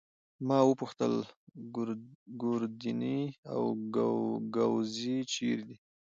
ما وپوښتل: ګوردیني او ګاووزي چيري دي؟